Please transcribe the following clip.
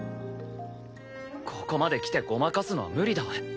ここまできてごまかすのは無理だ。